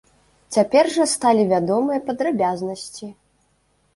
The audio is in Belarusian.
Цяпер жа сталі вядомыя падрабязнасці.